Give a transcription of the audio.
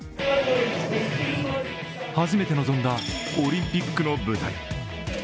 初めて臨んだオリンピックの舞台。